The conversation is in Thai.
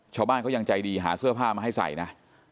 ชาวบ้านเขายังใจดีหาเสื้อผ้ามาให้ใส่นะ